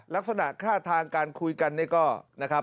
ลักษณะท่าทางการคุยกันนี่ก็นะครับ